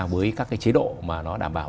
với các cái chế độ mà nó đảm bảo